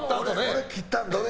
俺切ったんどれ？